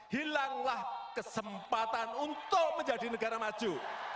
hilanglah kesempatan untuk menjadi negara maju